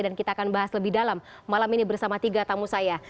dan kita akan bahas lebih dalam malam ini bersama tiga tamu saya